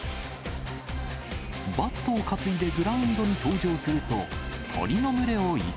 バットを担いでグラウンドに登場すると、鳥の群れを威嚇。